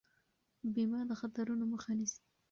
بیمه د خطرونو مخه نیسي.